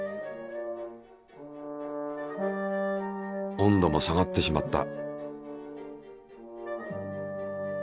温度も下がってしまった。